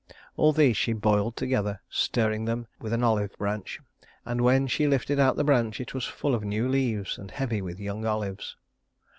All these she boiled together, stirring them with an olive branch; and when she lifted out the branch, it was full of new leaves and heavy with young olives.